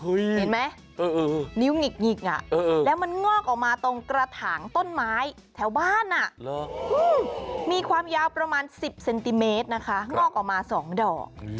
เห็นไหมนิ้วหงิกแล้วมันงอกออกมาตรงกระถางต้นไม้แถวบ้านมีความยาวประมาณ๑๐เซนติเมตรนะคะงอกออกมา๒ดอก